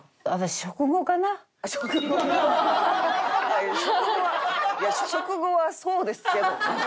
食後はいや食後はそうですけど。